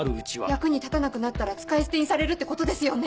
役に立たなくなったら使い捨てにされるってことですよね。